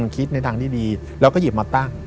คิดในทางที่ดีแล้วก็หยิบมาตั้ง